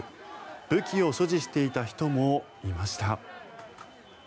武器を所持していた人もいました。